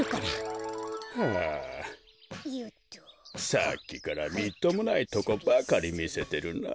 さっきからみっともないとこばかりみせてるな。